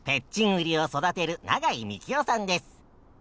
ウリを育てる永井幹夫さんです。